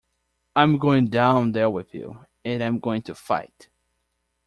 I'm going down there with you, and I'm going to fight.